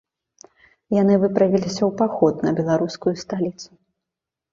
Яны выправіліся ў паход на беларускую сталіцу.